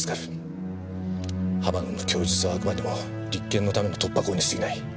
浜野の供述はあくまでも立件のための突破口に過ぎない。